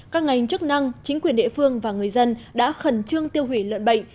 các ngành chức năng chính quyền địa phương và người dân đã khẩn trương tiêu hủy lợn bệnh